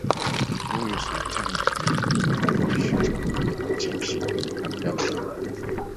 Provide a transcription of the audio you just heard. Huyu Sultani ndiye was mwisho Jemshid bin abdalla